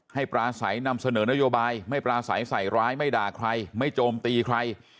ปราศัยนำเสนอนโยบายไม่ปราศัยใส่ร้ายไม่ด่าใครไม่โจมตีใคร